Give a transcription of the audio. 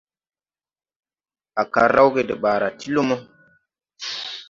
Á kal rawge de ɓaara ti lumo.